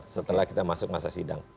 setelah kita masuk masa sidang